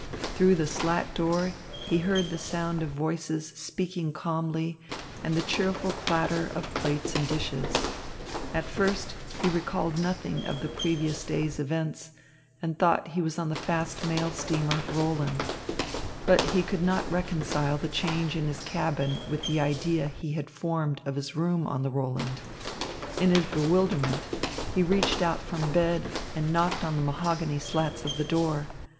Through the slat door, he heard the sound of voices speaking calmly and the cheerful clatter of plates and dishes. At first he recalled nothing of the previous day's events, and thought he was on the fast mail steamer, Roland. But he could not reconcile the change in his cabin with the idea he had formed of his room on the Roland. In his bewilderment he reached out from bed and knocked on the mahogany slats of the door.